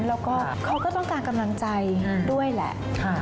แล้วก็เขาก็ต้องการกำลังใจด้วยแหละ